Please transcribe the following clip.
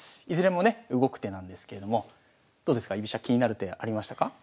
いずれもね動く手なんですけれどもどうですか居飛車気になる手ありましたか？